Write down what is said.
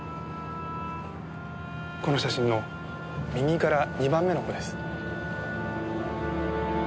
この写真の右から２番目の子です。